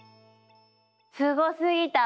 すごすぎたわ。